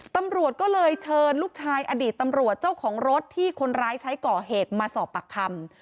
ตำรวจก็เลยเชิญลูกชายอดีตตำรวจเจ้าของรถที่คนร้ายใช้ก่อเหตุมาสอบปากคำ